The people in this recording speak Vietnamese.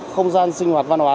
không gian sinh hoạt văn hóa